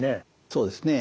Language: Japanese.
そうですね。